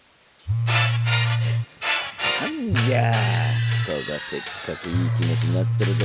何じゃ人がせっかくいい気持ちになってる時に。